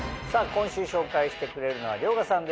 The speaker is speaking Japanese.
今週紹介してくれるのは遼河さんです。